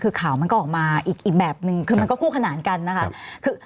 คือข่าวมันก็ออกมาอีกแบบนึงคือมันก็คู่ขนานกันนะคะ